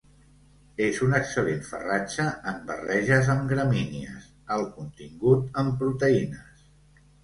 És un excel·lent farratge en barreges amb gramínies: alt contingut en proteïnes.